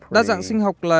đa dạng sinh học là